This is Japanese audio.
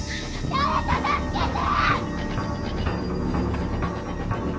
誰か助けて！